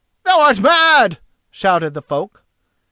"Thou art mad!" shouted the folk.